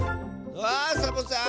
あサボさん